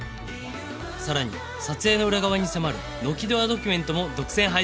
さらに撮影の裏側に迫る「ノキドアドキュメント」も独占配信中